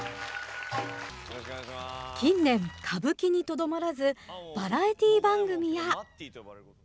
近年、歌舞伎にとどまらず、バラエティー番組や。